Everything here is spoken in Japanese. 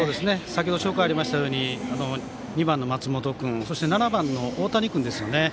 先程紹介がありましたように２番の松本君そして７番の大谷君ですね。